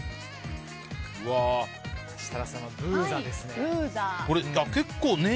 設楽さんはブーザですね。